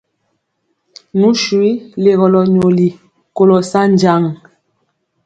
Nu swi legɔlɔ nyoli kolɔ sa jaŋ.